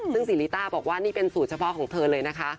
ซึ่งศรีริต้าบอกว่านี่เป็นสูตรเฉพาะของเธอเลยนะคะ